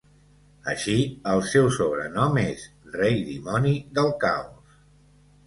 Així, el seu sobrenom és "Rei Dimoni del Caos".